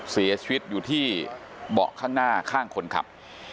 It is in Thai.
เสียชีวิตอยู่ที่เบาะข้างหน้าข้างคนขับ